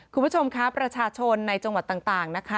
คุณผู้ชมคะประชาชนในจังหวัดต่างนะคะ